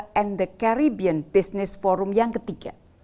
dan the caribbean business forum yang ketiga